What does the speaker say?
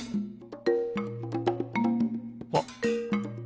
あっ。